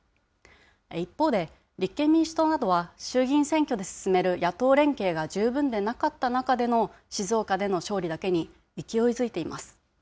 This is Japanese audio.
一方で、立憲民主党などは衆議院選挙で進める野党連携が十分でなかった中での静岡での勝利だけに、勢いづいています。